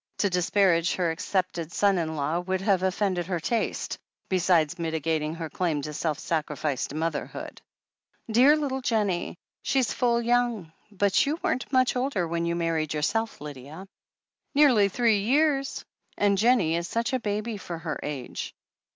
To dis parage her accepted son in law would have offended her taste, besides mitigating her claim to self sacrificed motherhood. "Dear little Jennie! She's full yoimg — ^but you weren't much older when you were married yourself, Lydia." 434 THE HEEL OF ACHILLES "Nearly three years — ^and Jennie is such a baby for her age